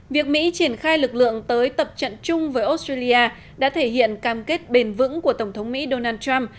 việc mỹ triển khai lực lượng tới tập trận chung với australia đã thể hiện cam kết bền vững của tổng thống mỹ donald trump